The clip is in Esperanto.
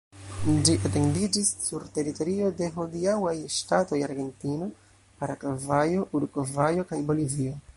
Ĝi etendiĝis sur teritorio de hodiaŭaj ŝtatoj Argentino, Paragvajo, Urugvajo kaj Bolivio.